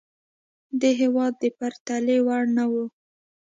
دې هېواد د پرتلې وړ نه وه.